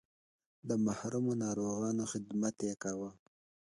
د محرومو ناروغانو خدمت یې کاوه.